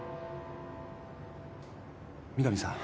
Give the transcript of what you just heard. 三神さん。